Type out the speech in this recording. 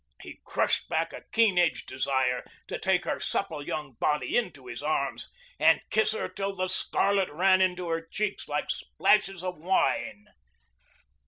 He crushed back a keen edged desire to take her supple young body into his arms and kiss her till the scarlet ran into her cheeks like splashes of wine.